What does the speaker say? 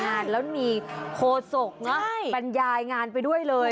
บรรยากาศงานแล้วมีโฆษกปัญญายงานไปด้วยเลย